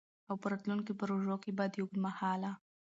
او په راتلونکو پروژو کي به د اوږدمهاله